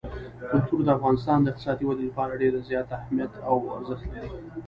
کلتور د افغانستان د اقتصادي ودې لپاره ډېر زیات اهمیت او ارزښت لري.